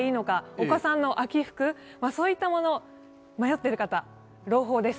お子さんの秋服、そういったもの迷っている方、朗報です。